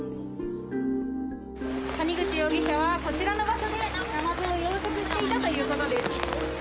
谷口容疑者は、こちらの場所で、ナマズを養殖していたということです。